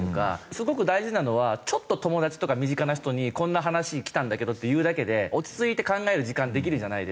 すごく大事なのはちょっと友達とか身近な人に「こんな話きたんだけど」って言うだけで落ち着いて考える時間できるじゃないですか。